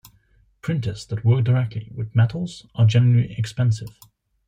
Printers that work directly with metals are generally expensive.